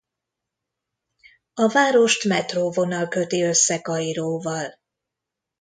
A várost metróvonal köti össze Kairóval.